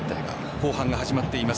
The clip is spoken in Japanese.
後半が始まっています。